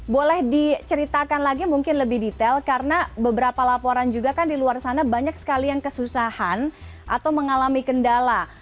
boleh diceritakan lagi mungkin lebih detail karena beberapa laporan juga kan di luar sana banyak sekali yang kesusahan atau mengalami kendala